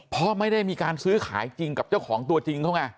เพราะไม่ได้มีการซื้อขายจริงกับเจ้าของตัวจริงเขาไง